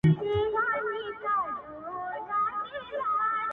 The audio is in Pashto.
• خدای راکړي نعمتونه پرېمانۍ وې -